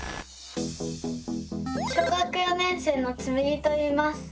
小学４年生のつむぎといいます。